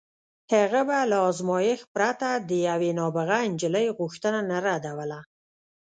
هغه به له ازمایښت پرته د یوې نابغه نجلۍ غوښتنه نه ردوله